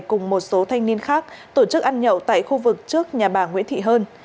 cùng một số thanh niên khác tổ chức ăn nhậu tại khu vực trước nhà bà nguyễn thị hơn